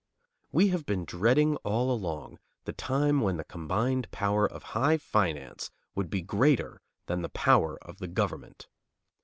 We have been dreading all along the time when the combined power of high finance would be greater than the power of the government.